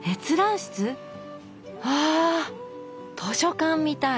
わあ図書館みたい。